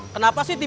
neng kamu mau ambil